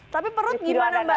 tapi perut gimana mbak